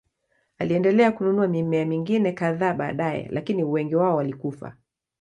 Aliendelea kununua mimea mingine kadhaa baadaye, lakini wengi wao walikufa.